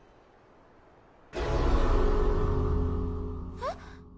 えっ？